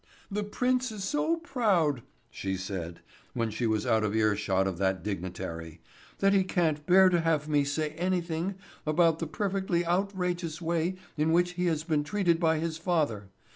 "The prince is so proud," she said, when she was out of ear shot of that dignitary, "that he can't bear to have me say anything about the perfectly outrageous way in which he has been treated by his father.